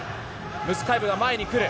ムスカエブが前に来る。